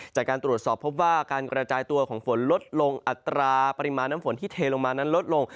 จากการตรวจสอบพบว่าการกระจายตัวของฝนลดลงอัตราปริมาณน้ำฝนที่เทลงมานั้นลดลง